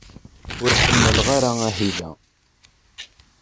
Ur ḥemmleɣ ara ahil-a.